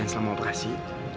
dan selama operasi